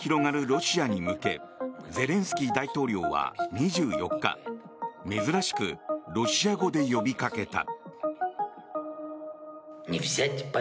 ロシアに向けゼレンスキー大統領は２４日珍しくロシア語で呼びかけた。